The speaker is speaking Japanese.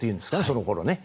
そのころね。